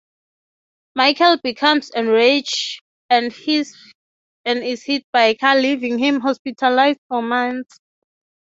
Michael becomes enraged, and is hit by a car, leaving him hospitalized for months.